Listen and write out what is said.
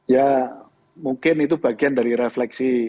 ya mungkin itu bagian dari refleksi